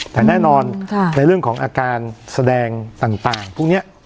แต่แน่นอนในเรื่องของอาการแสดงต่างพวกนี้